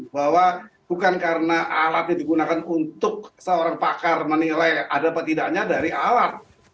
bahwa bukan karena alatnya digunakan untuk seorang pakar menilai ada apa tidaknya dari alat